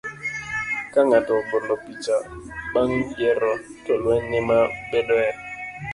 Ka ng'ato ogolo picha bang ' yiero, to lweny ema bedoe.